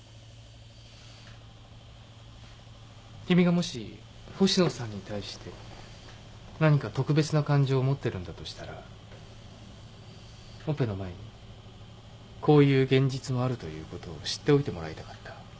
君がもし星野さんに対して何か特別な感情を持ってるんだとしたらオペの前にこういう現実もあるということを知っておいてもらいたかった。